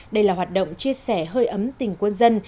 đây là hoạt động chia sẻ hơi ấm tình quân dân